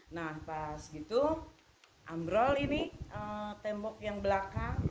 nah pas gitu ambrol ini tembok yang belakang